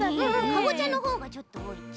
かぼちゃのほうがちょっとおおいち。